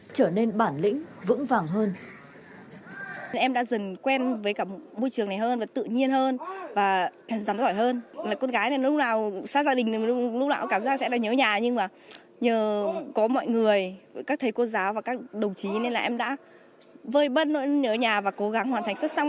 trở nên bản lĩnh vững vàng hơn